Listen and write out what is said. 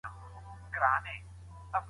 که عزم وي نو موخه نه پاتیږي.